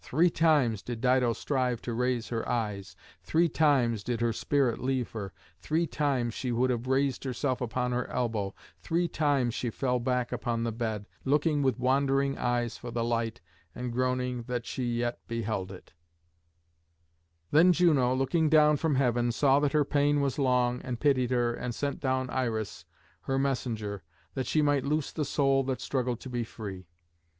Three times did Dido strive to raise her eyes; three times did her spirit leave her. Three times she would have raised herself upon her elbow; three times she fell back upon the bed, looking with wandering eyes for the light, and groaning that she yet beheld it. [Illustration: DIDO ON THE FUNERAL PILE.] Then Juno, looking down from heaven, saw that her pain was long, and pitied her, and sent down Iris, her messenger, that she might loose the soul that struggled to be free.